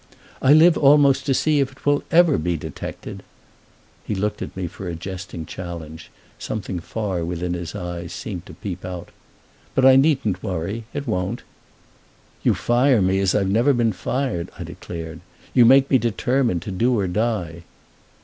"I live almost to see if it will ever be detected." He looked at me for a jesting challenge; something far within his eyes seemed to peep out. "But I needn't worry—it won't!" "You fire me as I've never been fired," I declared; "you make me determined to do or die."